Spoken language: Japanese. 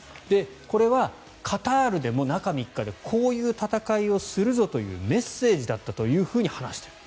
これはカタールでも、中３日でこういう戦い方をするぞというメッセージだったというふうに話している。